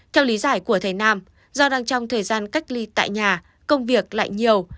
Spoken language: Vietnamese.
theo lý giải của thầy nam do đang trong thời gian cách ly tại nhà công việc lại nhiều